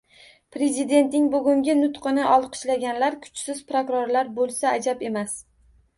Prezidentning bugungi nutqini olqishlaganlar kuchsiz prokurorlar bo'lsa ajab emas...